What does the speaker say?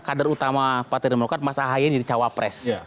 kadar utama partai demokrat mas ahayen jadi cawapres